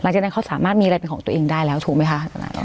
หลังจากนั้นเขาสามารถมีอะไรเป็นของตัวเองได้แล้วถูกไหมคะ